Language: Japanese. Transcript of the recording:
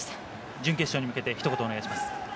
準決勝へ向けて、ひと言お願いします。